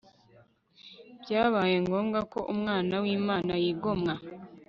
byabaye ngombwa ko Umwana wImana yigomwa